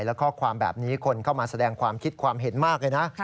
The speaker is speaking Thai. และข้อความแบบนี้คนเข้ามาแสดงความคิดความเห็นมากเลยนะ